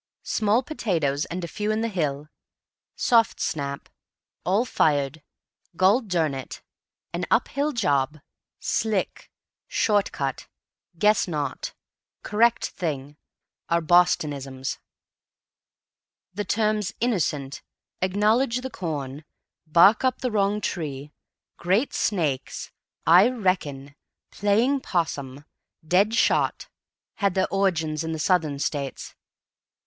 "Small potatoes, and few in the hill," "soft snap," "all fired," "gol durn it," "an up hill job," "slick," "short cut," "guess not," "correct thing" are Bostonisms. The terms "innocent," "acknowledge the corn," "bark up the wrong tree," "great snakes," "I reckon," "playing 'possum," "dead shot," had their origin in the Southern States.